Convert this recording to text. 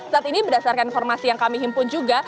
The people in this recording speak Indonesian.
saat ini berdasarkan informasi yang kami himpun juga